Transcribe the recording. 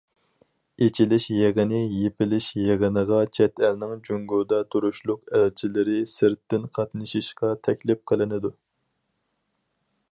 ئېچىلىش يىغىنى، يېپىلىش يىغىنىغا چەت ئەلنىڭ جۇڭگودا تۇرۇشلۇق ئەلچىلىرى سىرتتىن قاتنىشىشقا تەكلىپ قىلىنىدۇ.